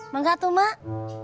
bangga tuh mak